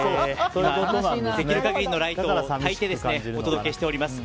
できる限りのライトをたいてお届けしております。